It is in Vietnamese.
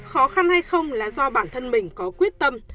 khó khăn hay không là do bản thân mình có quyết tâm